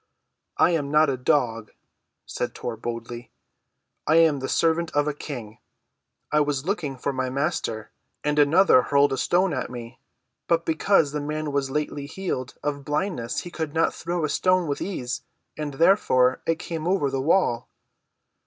"I am not a dog," said Tor boldly. "I am the servant of a King. I was looking for my Master, and another hurled the stone at me. But because the man was lately healed of blindness he could not throw a stone with ease, and, therefore, it came over the wall."